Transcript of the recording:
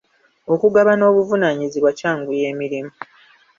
Okugabana obuvunaanyizibwa kyanguya emirimu.